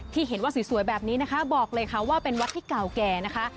ที่เห็นว่าสวยแบบนี้นะคะบอกเลยค่ะว่าเป็นวัดที่เก่าแก่นะคะ